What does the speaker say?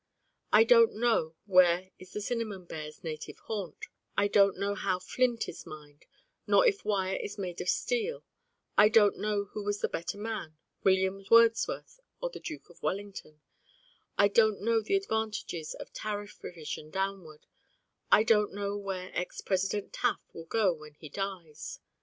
I Don't Know where is the cinnamon bear's native haunt: I don't know how flint is mined, nor if wire is made of steel: I don't know who was the better man William Wordsworth or the Duke of Wellington: I don't know the advantages of tariff revision downward: I don't know where ex President Taft will go when he dies.